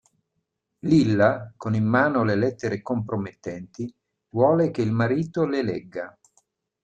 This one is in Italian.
Lilla, con in mano le lettere compromettenti, vuole che il marito le legga.